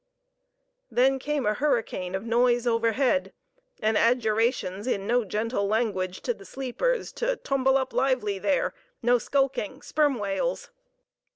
Then came a hurricane of noise overhead, and adjurations in no gentle language to the sleepers to "tumble up lively there, no skulking; sperm whales."